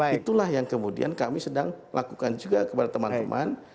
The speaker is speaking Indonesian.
itulah yang kemudian kami sedang lakukan juga kepada teman teman